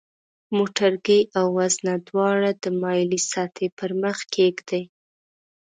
موټرګی او وزنه دواړه د مایلې سطحې پر مخ کیږدئ.